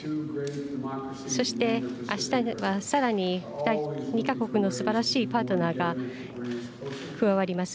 そして、あしたではさらに２か国のすばらしいパートナーが加わります。